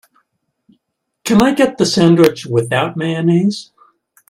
Can I get the sandwich without mayonnaise?